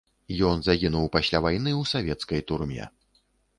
Ён загінуў пасля вайны ў савецкай турме.